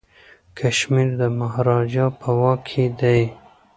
کشمیر د مهاراجا په واک کي دی.